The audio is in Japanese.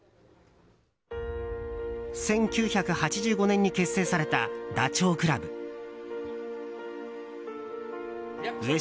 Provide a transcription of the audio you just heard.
１９８５年に結成されたダチョウ倶楽部。